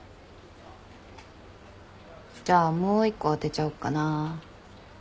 じゃあもう一個当てちゃおっかな。